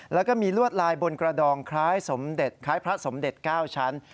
แล้วก็มีลวดลายบนกระดองคล้ายพระสมเด็จ๙ชั้น